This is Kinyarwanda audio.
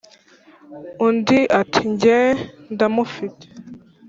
undi ati"njyewe ndamufite